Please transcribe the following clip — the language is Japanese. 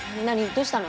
どうしたの？